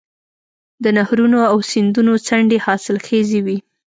د نهرونو او سیندونو څنډې حاصلخیزې وي.